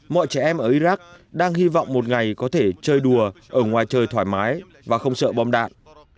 mọi trẻ em ở iraq đang hy vọng một ngày có thể chơi đùa ở ngoài trời thoải mái và không sợ bom đạn